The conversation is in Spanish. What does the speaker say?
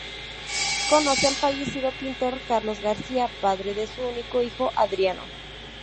Conoce al fallecido pintor Carlos García, padre de su único hijo Adriano.